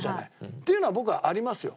っていうのは僕はありますよ。